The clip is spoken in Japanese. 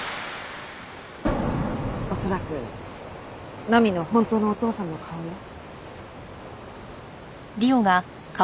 恐らく菜美の本当のお父さんの顔よ。